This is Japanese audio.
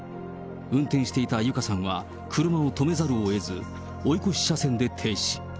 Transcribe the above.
運転していた友香さんは車を止めざるをえず、追い越し車線で停止。